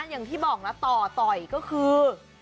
อย่างที่บอกนะต่อต่อยก็คือ